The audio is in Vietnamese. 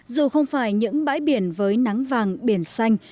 dù không phải những bãi biển với nắng vàng biển xanh